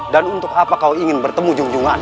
dan untuk apa kau ingin bertemu jungjungannya